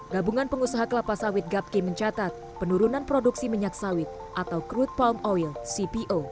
gabungan pengusaha kelapa sawit gapki mencatat penurunan produksi minyak sawit atau crude palm oil cpo